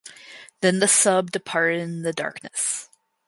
Then the sub departed in the darkness.